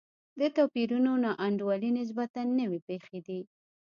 د توپیرونو نا انډولي نسبتا نوې پېښې دي.